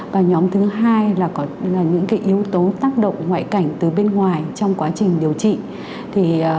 và nhóm thứ hai là có những yếu tố tác động ngoại cảnh từ bên ngoài trong quá trình điều trị